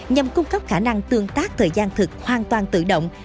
nhằm cung cấp khả năng tương tác thời gian thực hoàn toàn tự động